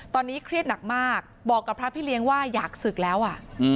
ตอนนี้เครียดหนักมากบอกกับพระพี่เลี้ยงว่าอยากศึกแล้วอ่ะ